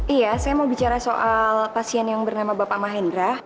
iya saya mau bicara soal pasien yang bernama bapak mahendra